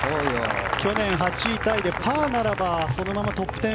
去年８位タイでパーならそのままトップ１０